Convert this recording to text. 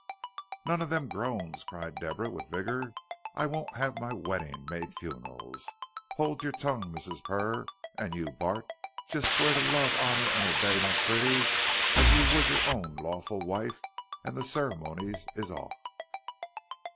"None of them groans," cried Deborah, with vigor. "I won't have my weddings made funerals. 'Old your tongue, Mrs. Purr, and you, Bart, jes' swear to love, honor an' obey my pretty as you would your own lawful wife, and the ceremonies is hoff."